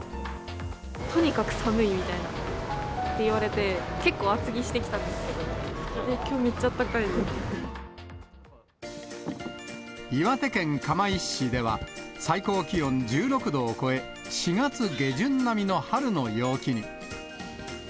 とにかく寒いみたいなって言われて、きょう、めっちゃあったかい岩手県釜石市では、最高気温１６度を超え、４月下旬並みの春の陽気に。